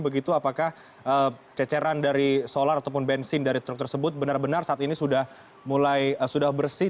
begitu apakah ceceran dari solar ataupun bensin dari truk tersebut benar benar saat ini sudah mulai sudah bersih